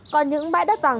còn những bãi đất vàng